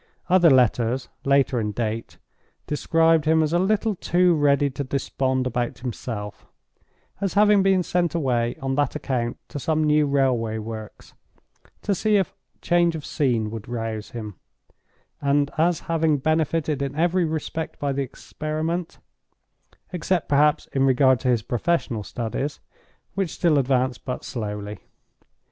Other letters, later in date, described him as a little too ready to despond about himself; as having been sent away, on that account, to some new railway works, to see if change of scene would rouse him; and as having benefited in every respect by the experiment—except perhaps in regard to his professional studies, which still advanced but slowly.